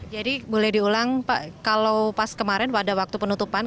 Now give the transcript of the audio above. jadi boleh diulang pak kalau pas kemarin pada waktu penutupan